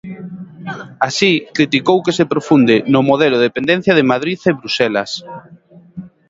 Así, criticou que se profunde "no modelo de dependencia de Madrid e Bruxelas".